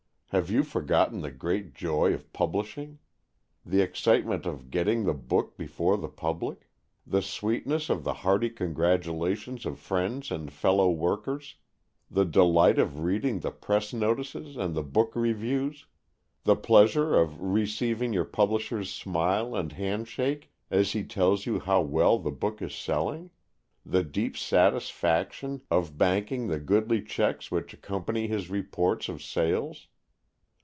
Have you forgotten the great joy of publishing? the excitement of getting the book before the public? the sweetness of the hearty congratulations of friends and fellow workers? the delight of reading the press notices and the book reviews? the pleasure of receiving your publisher's smile and handshake as he tells you how well the book is selling? the deep satisfaction of banking the goodly checks which accompany his reports of sales?